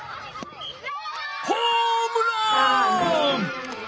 ホームラン！